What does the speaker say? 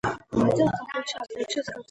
Хотели как лучше, а получилось как всегда